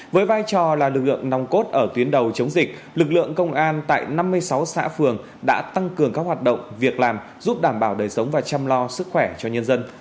với vai trò là lực lượng nòng cốt ở tuyến đầu chống dịch lực lượng công an tại năm mươi sáu xã phường đã tăng cường các hoạt động việc làm giúp đảm bảo đời sống và chăm lo sức khỏe cho nhân dân